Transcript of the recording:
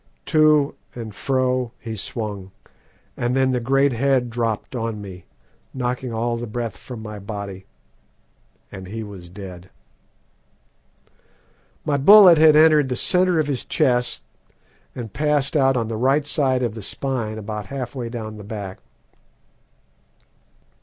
"To and fro he swung, and then the great head dropped on me, knocking all the breath from my body, and he was dead. My bullet had entered in the centre of his chest and passed out on the right side of the spine about half way down the back.